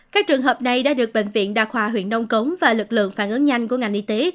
các trường hợp này đã được bệnh viện đà khoa huyện nông cống và lực lượng phản ứng nhanh của ngành y tế